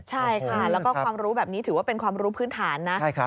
ใช่ค่ะแล้วก็ความรู้แบบนี้ถือว่าเป็นความรู้พื้นฐานนะ